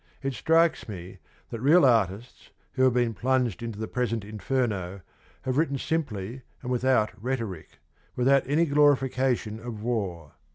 It strikes me that real artists who have been plunged into the present inferno have written simply and without rhetoric, without any glorification of war.